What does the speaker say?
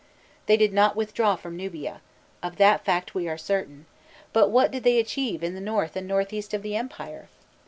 They did not withdraw from Nubia, of that fact we are certain: but what did they achieve in the north and north east of the empire?